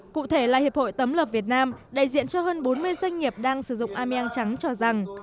cụ thể là hiệp hội tấm lợp việt nam đại diện cho hơn bốn mươi doanh nghiệp đang sử dụng ameang trắng cho rằng